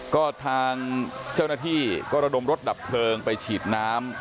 ก็ทางเจ้าหน้าที่ก็ระดมรถดับเพลิงไปฉีดน้ำ